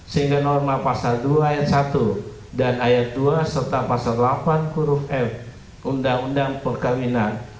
sehingga norma pasal dua ayat satu dan ayat dua serta pasal delapan huruf f undang undang perkawinan